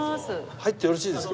入ってよろしいですか？